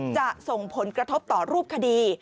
จะส่งผลกระทบต่อรูปคดี